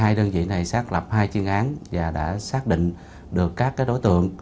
hai đơn vị này xác lập hai chuyên án và đã xác định được các đối tượng